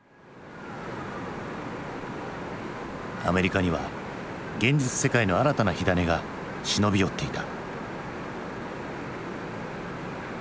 アメリカには現実世界の新たな火種が忍び寄っていた。